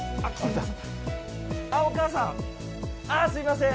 あっお母さんあっすいません。